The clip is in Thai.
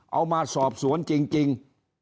เอามาสอบสวนจริง